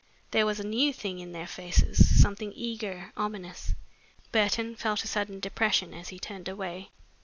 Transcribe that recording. There was a new thing in their faces, something eager, ominous. Burton felt a sudden depression as he turned away.